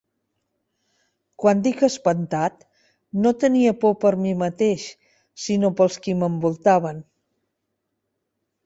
Quan dic espantat, no tenia por per mi mateix, sinó pels qui m'envoltaven.